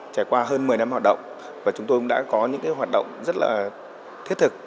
trải qua hơn một mươi năm hoạt động và chúng tôi cũng đã có những hoạt động rất là thiết thực